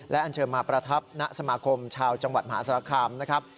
อันเชิญมาประทับณสมาคมชาวจังหวัดมหาสารคามนะครับ